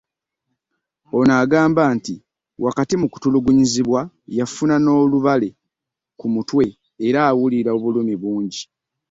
Ono agamba nti, wakati mu kutulugunyizibwa yafuna n’olubale ku mutwe era awulira obulumi bungi.